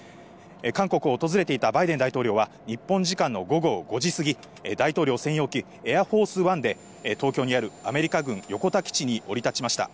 韓国を訪れていたバイデン大統領は、日本時間の午後５時過ぎ、大統領専用機エアフォースワンで、東京にあるアメリカ軍横田基地に降り立ちました。